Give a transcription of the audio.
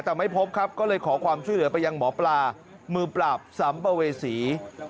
แต่ไม่พบครับก็เลยขอความช่วยเหลือไปยังหมอปลามือปราบสัมภเวษี